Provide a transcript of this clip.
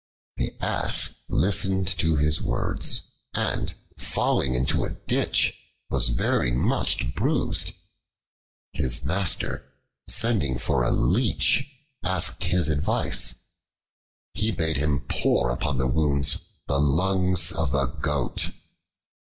The Ass listened to his words, and falling into a ditch, was very much bruised. His master, sending for a leech, asked his advice. He bade him pour upon the wounds the lungs of a Goat.